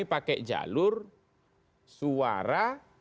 pakai jalur suara